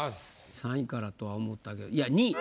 ３位からとは思ったけどいや２位。